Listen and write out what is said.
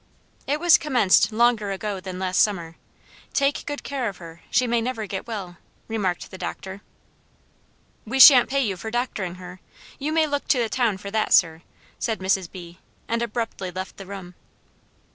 "It was commenced longer ago than last summer. Take good care of her; she may never get well," remarked the Dr. "We sha'n't pay you for doctoring her; you may look to the town for that, sir," said Mrs. B., and abruptly left the room.